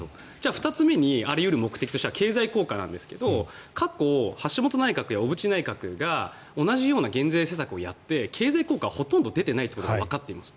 ２つ目に経済効果ですが過去、橋本内閣や小渕内閣が同じような減税政策をやって経済効果がほとんど出ていないということがわかっています。